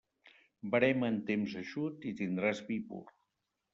Verema en temps eixut i tindràs vi pur.